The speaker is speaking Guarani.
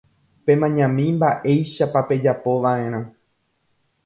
Pemañami mba'éichapa pejapova'erã